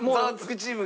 チームが？